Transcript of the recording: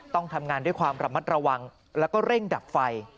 ต้องทำงานด้วยความระมัดระวังแล้วก็เร่งดับไฟ